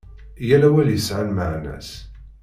Yal awal yesεa lmeεna-s.